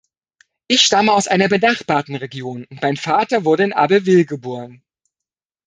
Ich stamme aus einer benachbarten Region, und mein Vater wurde in Abbeville geboren.